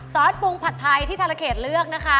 ซอสปรุงผัดไทยที่ธรเขตเลือกนะคะ